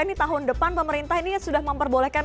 ini tahun depan pemerintah ini sudah memperbolehkan